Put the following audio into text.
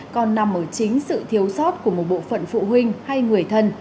còn nằm ở chính sự thiếu sót của một bộ phận phụ huynh hay người thân